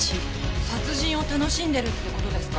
殺人を楽しんでるって事ですか？